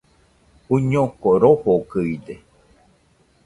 Uiñoko rofokɨide